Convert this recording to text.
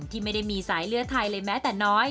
ที่ไม่ได้มีสายเลือดไทยเลยแม้แต่น้อย